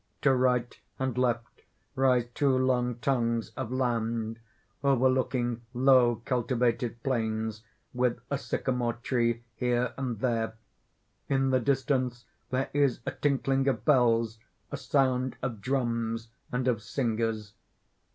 _ _To right and left rise two long tongues of land, overlooking low cultivated plains, with a sycamore tree here and there. In the distance there is a tinkling of bells, a sound of drums and of singers.